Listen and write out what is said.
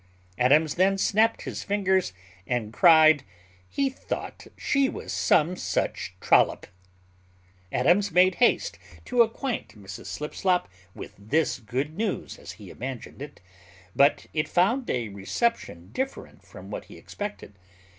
Adams then snapped his fingers, and cried, "He thought she was some such trollop." Adams made haste to acquaint Mrs Slipslop with this good news, as he imagined it; but it found a reception different from what he expected.